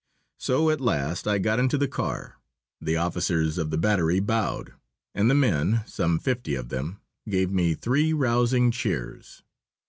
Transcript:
So at last I got into the car. The officers of the battery bowed, and the men, some fifty of them, gave me three rousing cheers.